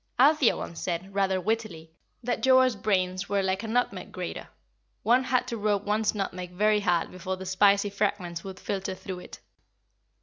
Althea once said, rather wittily, that Joa's brains were like a nutmeg grater one had to rub one's nutmeg very hard before the spicy fragments would filter through it.